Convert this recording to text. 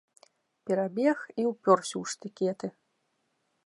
Перабег і ўпёрся ў штыкеты.